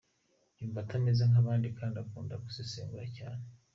Yumva atameze nk’abandi kandi akunda gusesengura cyane.